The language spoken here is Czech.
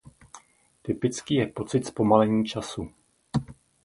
Typický je pocit zpomalení času.